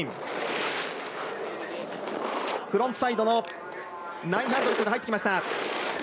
フロントサイドの９００で入ってきました。